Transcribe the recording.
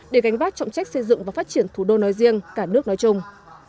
để gánh vác trọng trách xây dựng và phát triển thủ đô nói riêng cả nước nói chung